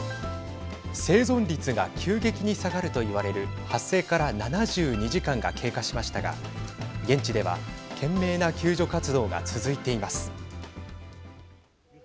生存率が急激に下がると言われる発生から７２時間が経過しましたが現地では懸命な救助活動が続いています。